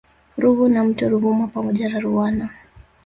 Ruvu na mto Ruvuma pamoja na Ruwana